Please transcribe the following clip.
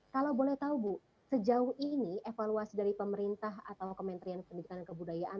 kalau boleh tahu bu sejauh ini evaluasi dari pemerintah atau kementerian pendidikan dan kebudayaan